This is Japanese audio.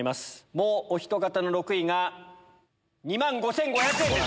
もうおひと方の６位が２万５５００円です。